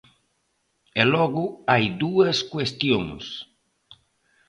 E logo hai dúas cuestións.